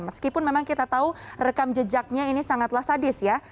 meskipun memang kita tahu rekam jejaknya ini sangatlah sadis ya